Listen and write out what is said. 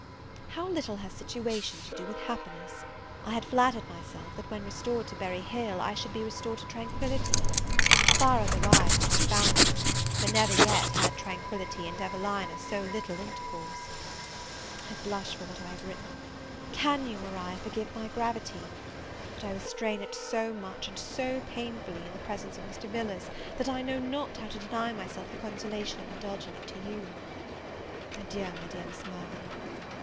How little has situation to do with happiness! I had flattered myself, that, when restored to Berry Hill, I should be restored to tranquillity: far otherwise have I found it, for never yet had tranquillity and Evelina so little intercourse. I blush for what I have written. Can you, Maria, forgive my gravity? but I restrain it so much, and so painfully, in the presence of Mr. Villars, that I know not how to deny myself the consolation of indulging it to you. Adieu, my dear Miss Mirvan.